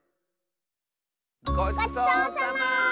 ごちそうさま！